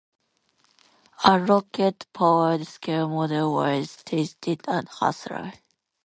A rocket-powered scale model was tested at Haslar.